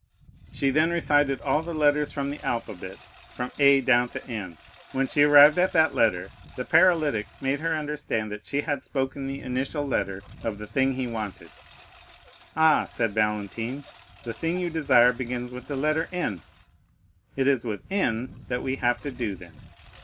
She then recited all the letters of the alphabet from A down to N. When she arrived at that letter the paralytic made her understand that she had spoken the initial letter of the thing he wanted. "Ah," said Valentine, "the thing you desire begins with the letter N; it is with N that we have to do, then.